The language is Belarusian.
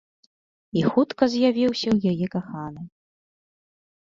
І хутка з'явіўся ў яе каханы.